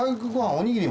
おにぎり。